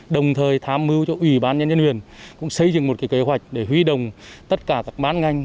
đồng thời tham mưu cho ủy ban nhân dân huyện cũng xây dựng một kế hoạch để huy động tất cả các bán ngành